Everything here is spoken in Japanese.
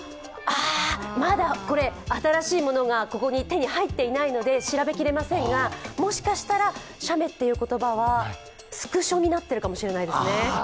まだ新しいものがここに手に入っていないので調べきれませんがもしかしたら、写メという言葉はスクショになってるかもしれないですね。